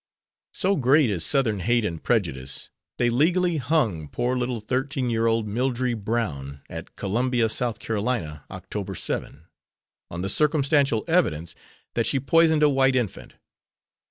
So great is Southern hate and prejudice, they legally(?) hung poor little thirteen year old Mildrey Brown at Columbia, S.C., Oct. 7, on the circumstantial evidence that she poisoned a white infant.